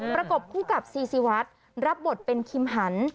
ประกบคู่กับซีซีวัดรับบทเป็นคิมหัน